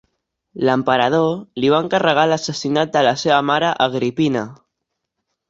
L'emperador li va encarregar l'assassinat de la seva mare Agripina.